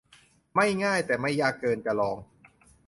ไม่ง่าย แต่ไม่ยากเกินจะลอง !